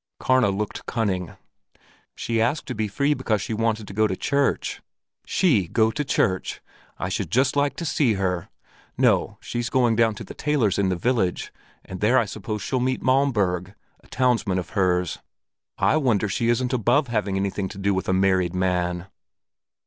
Karna looked cunning. "She asked to be free because she wanted to go to church. She go to church! I should just like to see her! No, she's going down to the tailor's in the village, and there I suppose she'll meet Malmberg, a townsman of hers. I wonder she isn't above having anything to do with a married man."